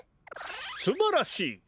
すばらしい！